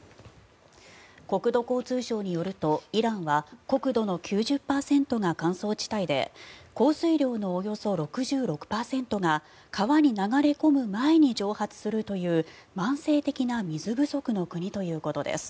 国土交通省によるとイランは国土の９０％が乾燥地帯で降水量のおよそ６６％が川に流れ込む前に蒸発するという慢性的な水不足の国ということです。